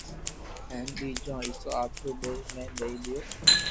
ھين ٻيجو حصو آپري ٻئير ني دئي ديدو